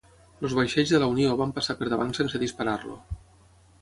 Els vaixells de la Unió van passar per davant sense disparar-lo.